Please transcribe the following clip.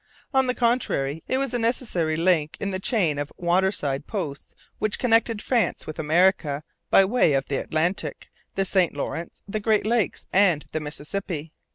On the contrary, it was a necessary link in the chain of waterside posts which connected France with America by way of the Atlantic, the St Lawrence, the Great Lakes, and the Mississippi.